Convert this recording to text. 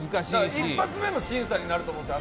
一発目の審査になると思うんですよ。